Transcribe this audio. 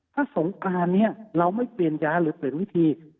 ถ้าสงกรานนี้เราไม่เปลี่ยนยาหรือเปลี่ยนวิธี